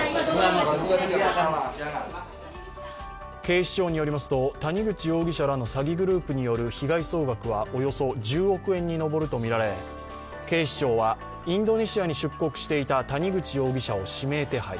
警視庁によりますと谷口容疑者らの詐欺グループによる被害総額はおよそ１０億円に上るとみられ警視庁は、インドネシアに出国していた谷口容疑者を指名手配。